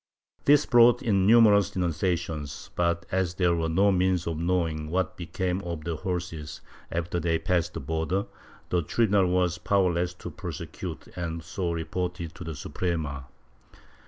This brought in numerous denunciations but, as there were no means of knowing what became of the horses after they passed the border, the tribunal was powerless to prosecute and so reported to the Suprema.